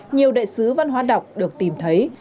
nhiều đại sứ văn hóa đọc được tìm thấy